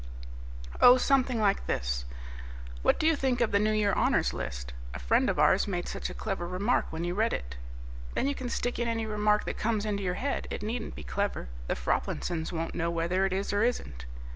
"Oh, something like this: 'What do you think of the New Year Honours List? A friend of ours made such a clever remark when he read it.' Then you can stick in any remark that comes into your head; it needn't be clever. The Froplinsons won't know whether it is or isn't."